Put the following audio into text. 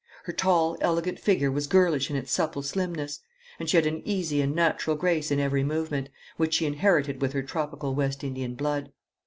Her tall, elegant figure was girlish in its supple slimness, and she had an easy and natural grace in every movement, which she inherited with her tropical West Indian blood.